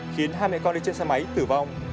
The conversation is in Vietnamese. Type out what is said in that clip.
khiến hai mẹ con đi trên xe máy tử vong